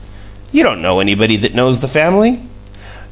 "You don't know anybody that knows the family."